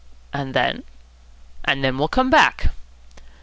"And then?" "And then we'll come back."